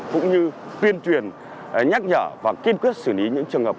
cũng như tuyên truyền nhắc nhở và kiên quyết xử lý những trường hợp